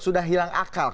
sudah hilang akal